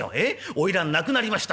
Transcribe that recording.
『花魁亡くなりました』